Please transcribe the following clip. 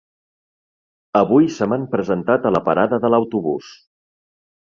Avui se m'han presentat a la parada de l'autobús.